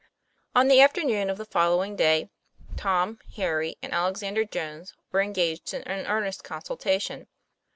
ON the afternoon of the following day, Tom, Harry, and Alexander Jones were engaged in an earnest consultation.